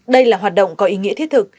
đây là hoạt động có ý nghĩa thiết thực